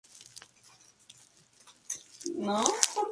Es la ciudad más grande que no tiene su propio condado.